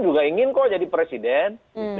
juga ingin kok jadi presiden